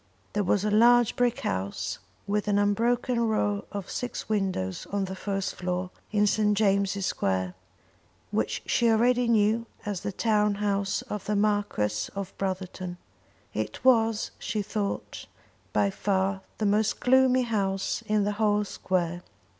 There was a large brick house, with an unbroken row of six windows on the first floor, in St. James' Square, which she already knew as the town house of the Marquis of Brotherton. It was, she thought, by far the most gloomy house in the whole square.